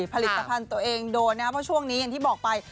ผลิตภัณฑ์ตัวเองโดนนะครับเพราะช่วงนี้อย่างที่บอกไป